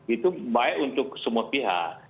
itu baik untuk semua pihak